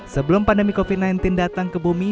sebelum pandemi covid sembilan belas datang ke bumi